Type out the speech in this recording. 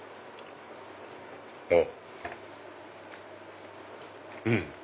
あっうん！